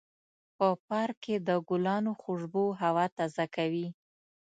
په پارک کې د ګلانو خوشبو هوا تازه کوي.